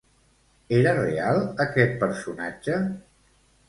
Era real aquest personatge?